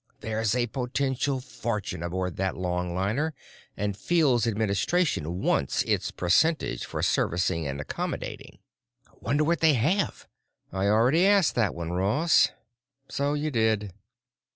There's a potential fortune aboard that longliner and Fields Administration wants its percentage for servicing and accommodating." "Wonder what they have?" "I already asked that one, Ross." "So you did."